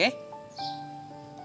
percaya sama mas bobby